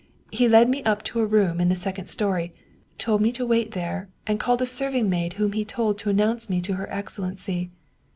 He led me up to a room in the second story, told me to wait there and called a serving maid whom he told to announce me to her excellency.